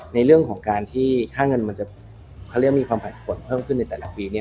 ในเรื่องของการที่ค่าเงินมันจะเขาเรียกว่ามีความผันผลเพิ่มขึ้นในแต่ละปีเนี่ย